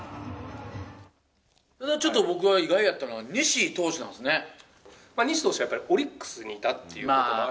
ちょっと僕が意外やったのは、西投手はやっぱり、オリックスにいたっていうもあって。